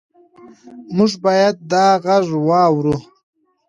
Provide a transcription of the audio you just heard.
موږ باید دا غږ واورو.